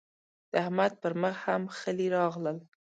د احمد پر مخ هم خلي راغلل.